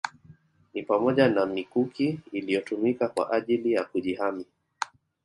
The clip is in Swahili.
Ni pamoja na mikuki iliyotumika kwa ajili ya kujihami